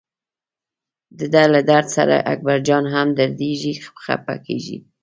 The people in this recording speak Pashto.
دده له درد سره اکبرجان هم دردېږي خپه کېږي.